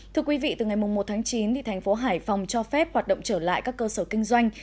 thưa quý vị từ ngày một tháng chín thành phố hải phòng cho phép hoạt động trở lại các cơ sở kinh doanh